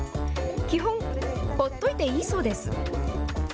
基本、ほっといていいそうです。